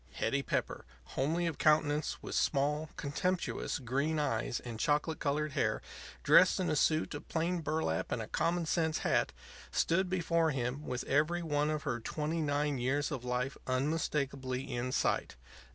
Hetty Pepper, homely of countenance, with small, contemptuous, green eyes and chocolate colored hair, dressed in a suit of plain burlap and a common sense hat, stood before him with every one of her twenty nine years of life unmistakably in sight.